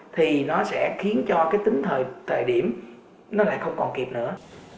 thì nó sẽ khiến cho cái tính thời điểm nó lại không còn kịp nữa